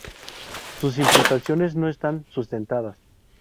Sus imputaciones no están sustentadas.